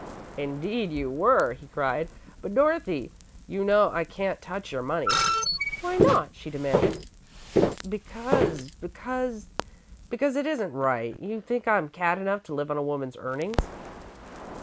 "Indeed you were," he cried, "but, Dorothy, you know I can't touch your money!" "Why not?" she demanded. "Because because because it isn't right. Do you think I'm cad enough to live on a woman's earnings?"